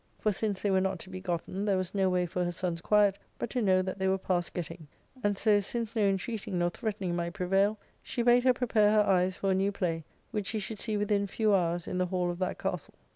For, since they were not to be gotten, there was no way for her son's quiet but to know that they were past getting. And so, since no intreating nor threatening might prevail, she bad her prepare her eyes for a new play, which she should see within few hours in the hall of that castle.